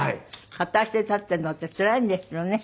片足で立っているのってつらいんですよね。